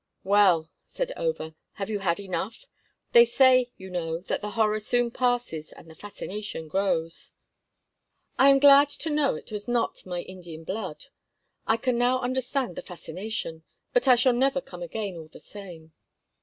"Well," said Over, "have you had enough? They say, you know, that the horror soon passes and the fascination grows." "I am glad to know it was not my Indian blood. I can now understand the fascination, but I shall never come again, all the same."